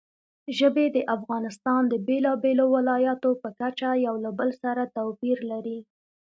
ژبې د افغانستان د بېلابېلو ولایاتو په کچه یو له بل سره توپیر لري.